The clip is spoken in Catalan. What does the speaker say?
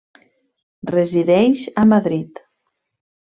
Resideix a Madrid.